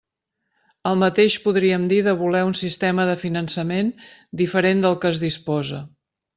El mateix podríem dir de voler un sistema de finançament diferent del que es disposa.